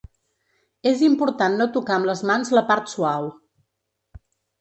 És important no tocar amb les mans la part suau.